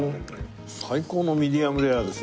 最高のミディアムレアですね